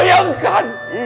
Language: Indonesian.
ibu nya haikal akan terpukul